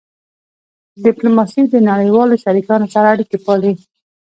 ډیپلوماسي د نړیوالو شریکانو سره اړیکې پالي.